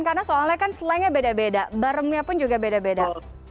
karena soalnya kan slangnya beda beda baremnya pun juga beda beda